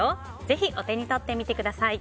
ぜひお手に取ってみてください。